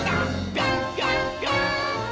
「ピョンピョンピョーンって！」